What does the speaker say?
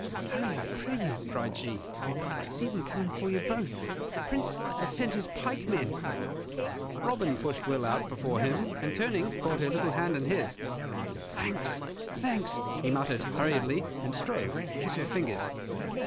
"Hurry, I pray you," cried she; "I see them coming for you both. The Prince has sent his pikemen " Robin pushed Will out before him; and, turning, caught her little hand in his. "Thanks, thanks," he muttered, hurriedly, and strove to kiss her fingers.